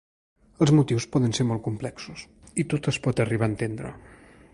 Els motius poden ser molt complexos i tot es pot arribar a entendre.